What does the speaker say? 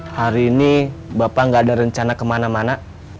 hari ini bapak nggak ada rencana kemana mana